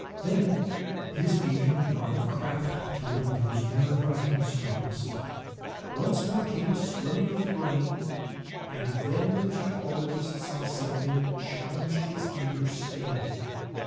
Then his agent brought the craft to one of those nerve racking stops; once more came a swimming of the brain, and then the geologist saw something that challenged his understanding.